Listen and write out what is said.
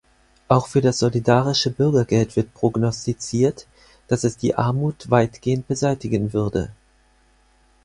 Auch für das solidarische Bürgergeld wird prognostiziert, dass es die Armut weitgehend beseitigen würde.